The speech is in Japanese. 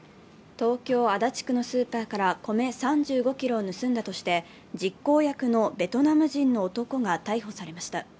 東京・足立区のスーパーから米３５ｋｇを盗んだとして実行役のベトナム人の男が逮捕されました。